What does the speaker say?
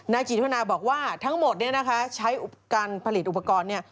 นายจิธวรรณาบอกว่าทั้งหมดใช้การผลิตอุปกรณ์นี่